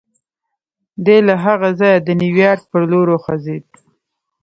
دی له هغه ځايه د نيويارک پر لور وخوځېد.